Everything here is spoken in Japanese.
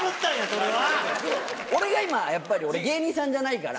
俺が今やっぱり俺芸人さんじゃないから。